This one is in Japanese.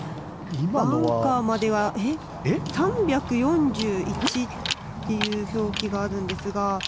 バンカーまでは３４１という表記があるんですが。